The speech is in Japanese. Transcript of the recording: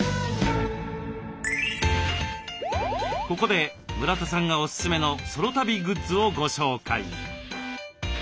ここで村田さんがおすすめのソロ旅グッズをご紹介。